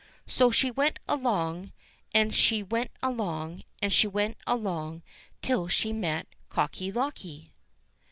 So she went along, and she went along, and she went along till she met Cocky locky.